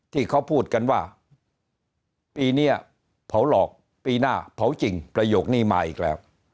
ที่เขาพูดกันว่าปีนี้เผาหลอกปีหน้าเผาจริงประโยคนี้มาอีกแล้ว